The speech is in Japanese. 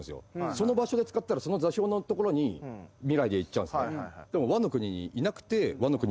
その場所で使ったらその座標の所に未来で行っちゃうんすね。